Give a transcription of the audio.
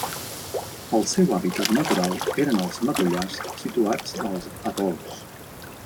El seu hàbitat natural eren els matollars situats als atols.